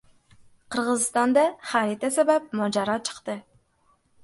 Qirg‘izistonda xarita sabab mojaro chiqdi